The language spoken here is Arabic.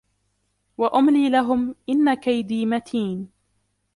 وأملي لهم إن كيدي متين